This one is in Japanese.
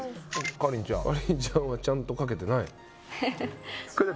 夏鈴ちゃんはちゃんとかけてない。